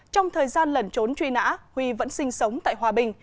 trong thời gian lẩn trốn truy nã huy vẫn sinh sống tại hòa bình